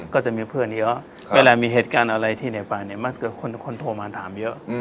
ก็จะมีเพื่อนเยอะเวลามีเหตุการณ์อะไรที่ในป่าเนี่ยมักจะคนโทรมาถามเยอะ